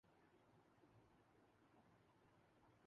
مثلا ایک روایت میں